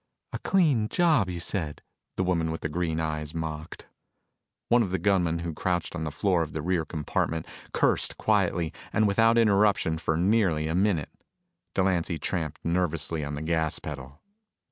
"A clean job, you said?" the woman with the green eyes mocked. One of the gunmen who crouched on the floor of the rear compartment cursed quietly and without interruption for nearly a minute. Delancy tramped nervously on the gas pedal.